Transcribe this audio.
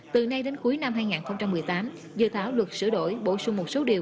từ nay đến cuối năm hai nghìn một mươi tám dự thảo luật sửa đổi bổ sung một số điều